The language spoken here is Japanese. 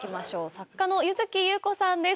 作家の柚月裕子さんです